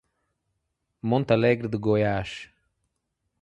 Monte Alegre de Goiás